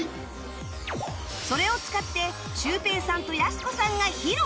それを使ってシュウペイさんとやす子さんが披露！